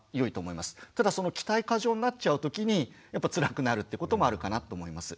ただその期待過剰になっちゃう時につらくなるってこともあるかなと思います。